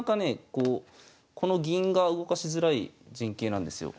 こうこの銀が動かしづらい陣形なんですよ。